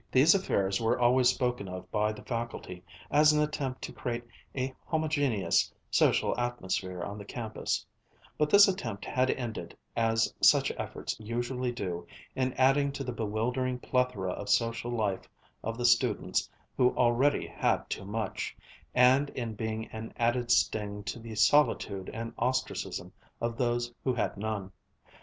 These affairs were always spoken of by the faculty as an attempt to create a homogeneous social atmosphere on the campus; but this attempt had ended, as such efforts usually do, in adding to the bewildering plethora of social life of those students who already had too much, and in being an added sting to the solitude and ostracism of those who had none.